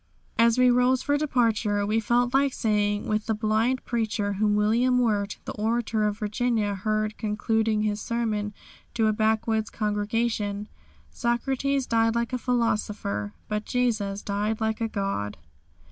As we rose for departure we felt like saying with the blind preacher, whom William Wirt, the orator of Virginia, heard concluding his sermon to a backwoods congregation: "Socrates died like a philosopher, but Jesus died like a God!"